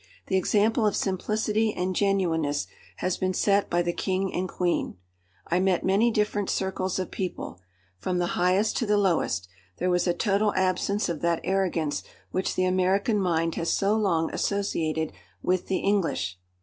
The example of simplicity and genuineness has been set by the King and Queen. I met many different circles of people. From the highest to the lowest, there was a total absence of that arrogance which the American mind has so long associated with the English.